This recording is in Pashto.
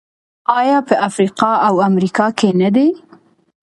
آیا په افریقا او امریکا کې نه دي؟